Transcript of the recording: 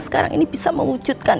sekarang ini bisa mewujudkan